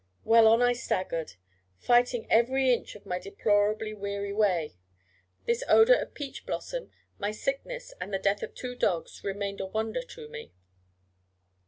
Well, on I staggered, fighting every inch of my deplorably weary way. This odour of peach blossom, my sickness, and the death of the two dogs, remained a wonder to me.